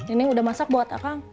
ini udah masak buat akang